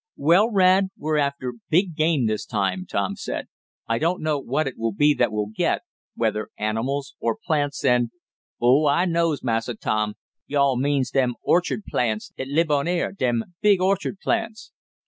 "Well, Rad, we're after big game this time," Tom said. "I don't know what it will be that we'll get, whether animals or plants, and " "Oh, I knows, Massa Tom. Yo' all means dem orchard plants that lib on air dem big orchard plants."